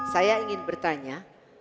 saya ingin bertanya